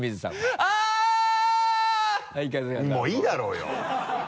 もういいだろうよ。